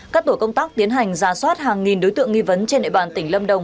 các tổ công tác tiến hành ra soát hàng nghìn đối tượng nghi vấn trên địa bàn tỉnh lâm đồng